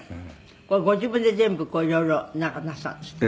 「これご自分で全部こう色々なんかなさるんですか？」